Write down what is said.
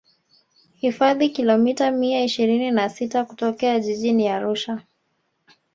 hifadhi kilomita mia ishirini na sita kutokea jijini arusha